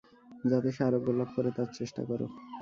যাতে সে আরোগ্যলাভ করে, তার চেষ্টা কর।